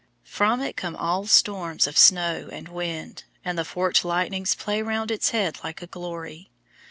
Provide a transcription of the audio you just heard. From it come all storms of snow and wind, and the forked lightnings play round its head like a glory.